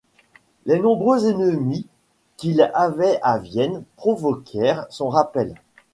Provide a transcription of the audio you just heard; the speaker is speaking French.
Les nombreux ennemis qu'il avait à Vienne provoquèrent son rappel.